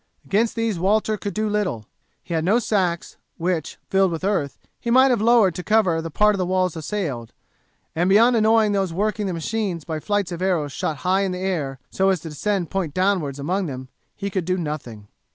Against these Walter could do little. He had no sacks, which, filled with earth, he might have lowered to cover the part of the walls assailed, and beyond annoying those working the machines by flights of arrows shot high in the air, so as to descend point downwards among them, he could do nothing.